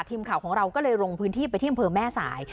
ทีมข่าวของเราก็เลยลงพื้นที่ไปที่อำเภอแม่สาย